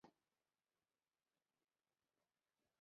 二者之间是两个分局的界线。